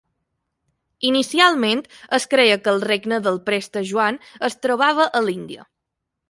Inicialment, es creia que el regne del Preste Joan es trobava a l'Índia.